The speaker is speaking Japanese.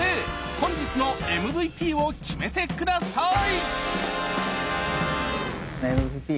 本日のＭＶＰを決めて下さいＭＶＰ